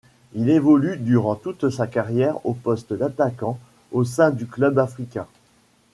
Il évolue durant toute sa carrière au poste d'attaquant au sein du Club africain.